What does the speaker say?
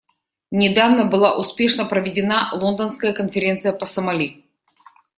Недавно была успешно проведена Лондонская конференция по Сомали.